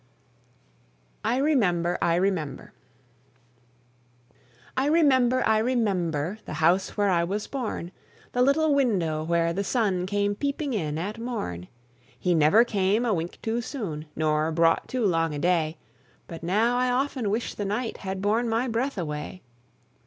I REMEMBER, I REMEMBER. I remember, I remember The house where I was born, The little window where the sun Came peeping in at morn; He never came a wink too soon Nor brought too long a day; But now, I often wish the night Had borne my breath away.